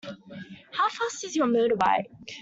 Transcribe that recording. How fast is your motorbike?